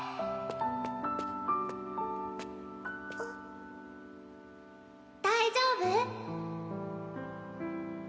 あっ大丈夫？